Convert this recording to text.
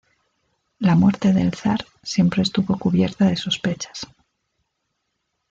La muerte del zar siempre estuvo cubierta de sospechas.